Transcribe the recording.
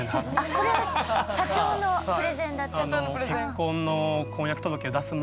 これは社長のプレゼンだったんだ。